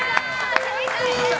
正解です。